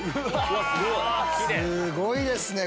すごいですね